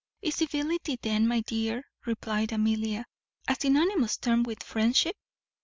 "Is civility, then, my dear," replied Amelia, "a synonymous term with friendship?